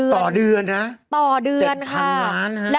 ต่อเดือนค่ะ